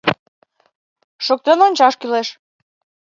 Шоктен ончаш кӱлеш.